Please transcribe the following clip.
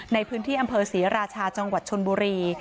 ในพื้นที่อำเภอศรีราชาจังหวัดชนบุรี